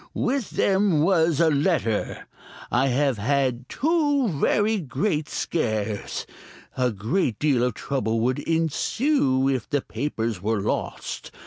With them there was a letter. I have had two very great scares. A great deal of trouble would ensue if the papers were lost.